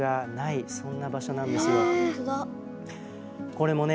これもね